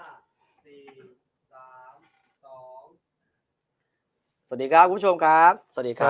ห้าสี่สามสองสวัสดีครับคุณผู้ชมครับสวัสดีครับสวัสดีครับ